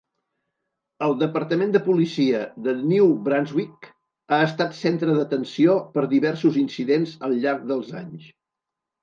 El departament de policia de New Brunswick ha estat centre d'atenció per diversos incidents al llarg dels anys.